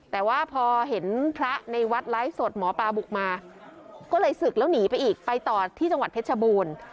แต่ว่าพอเห็นพระในวัดไลฟ์สดหมอปลาบุกมาก็เลยศึกแล้วหนีไปอีกไปต่อที่จังหวัดเพชรชบูรณ์